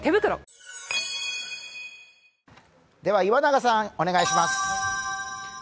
岩永さん、お願いします。